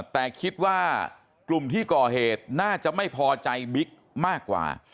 แต่คิดว่ากลุ่มที่ก่อเหตุน่าจะไม่พอใจบิ๊กมากกว่า